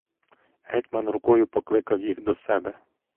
Гетьман рукою покликав їх до себе.